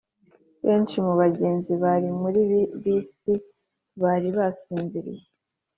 benshi mu bagenzi bari muri bisi bari basinziriye.